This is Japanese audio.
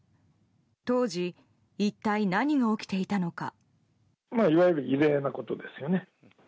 当時、一体何が起きていたのか。